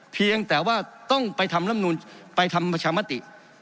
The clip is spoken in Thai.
เพียงแต่ว่าต้องไปทำลำนูนไปทำประชามติ